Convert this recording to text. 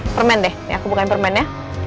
permen deh aku bukain permennya